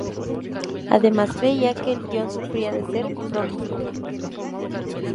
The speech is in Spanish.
Además, creía que el guión sufría de ser "prolijo".